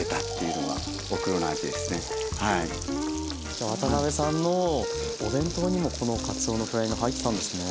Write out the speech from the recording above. じゃあ渡辺さんのお弁当にもこのかつおのフライが入ってたんですね。